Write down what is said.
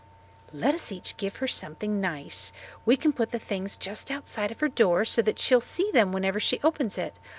"Let us each give her something nice. We can put the things just outside of her door so that she will see them whenever she opens it.